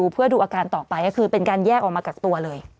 เพื่อดูอาการต่อไปก็คือเป็นการแยกออกมากักตัวเลย